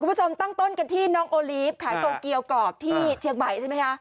คุณผู้ชมตั้งต้นกันที่น้องโอลีฟขายโตเกียวกรอบที่เชียงใหม่ใช่ไหมคะ